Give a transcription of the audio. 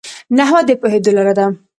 نحوه د پوهېدو لار ده.